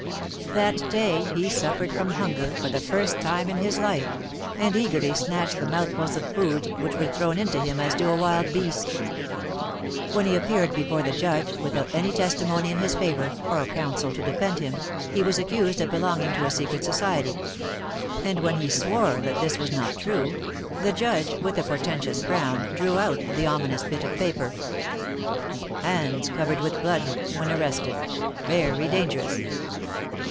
That day he suffered from hunger for the first time in his life, and eagerly snatched the mouthfuls of food which were thrown into him, as to a wild beast. t When he appeared before the Judge, without any testi mony in his favor, or counsel to defend him, he was THE MARKETS OF PARIS. 33 accused of belonging to a secret society ; and when he swore that this was not true, the Judge, with a portentous frown, drew out the ominous bit of paper. Hands covered with blood when arrested. Very dangerous."